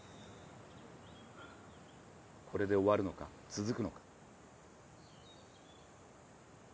これで終わるのか、続くのか。